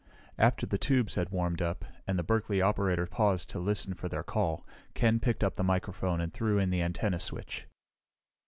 After the tubes had warmed up, and the Berkeley operator paused to listen for their call, Ken picked up the microphone and threw in the antenna switch.